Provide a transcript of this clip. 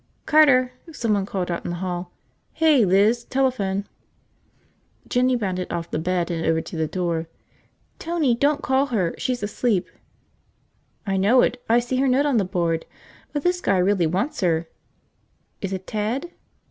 "Carter!" someone called out in the hall. "Hey, Liz, telephone!" Jinny bounded off the bed and over to the door. "Tony, don't call her! She's asleep!" "I know it. I see her note on the board. But this guy really wants her." "Is it Ted?"